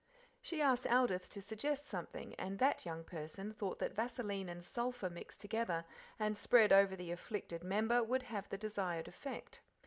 She asked Aldith to suggest something, and that young person thought that vaseline and sulphur mixed together, and spread over the afflicted member, would have the desired effect.